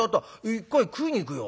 一回食いに行くよ。